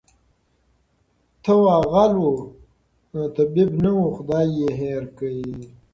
ته وا غل وو طبیب نه وو خدای ېې هېر کړ